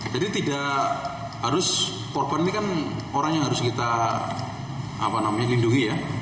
jadi tidak harus korban ini kan orang yang harus kita lindungi ya